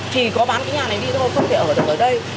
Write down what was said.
chỉ có bán cái nhà này đi thôi không thể ở được ở đây